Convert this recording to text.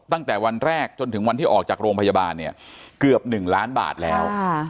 ตั้งแต่วันแรกจนถึงวันที่ออกจากโรงพยาบาลเนี่ยเกือบ๑ล้านบาทแล้ว